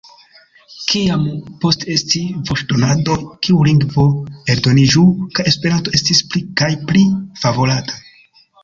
Kiam poste estis voĉdonadoj, kiu lingvo aldoniĝu, kaj Esperanto estis pli kaj pli favorata...